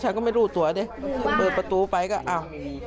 ฉันก็ไม่รู้ตัวดิเปิดประตูไปก็อ้าว